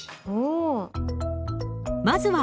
おお。